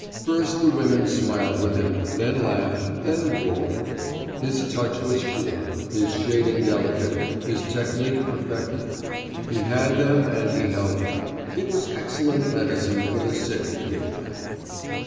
First the women smiled with him, then laughed, then roared. His touch was sure, his shading delicate, his technique perfected. He had them and he held them. It was excellent medicine for the sick he gave them.